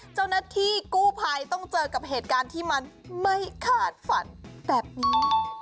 เจ้าหน้าที่กู้ภัยต้องเจอกับเหตุการณ์ที่มันไม่ขาดฝันแบบนี้